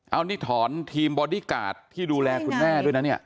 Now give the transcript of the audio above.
เอานี่ถอนทีมบอดี้การ์ดที่ดูแลคุณแม่ด้วยนะเนี่ย